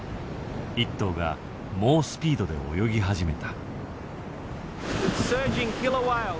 １頭が猛スピードで泳ぎ始めた。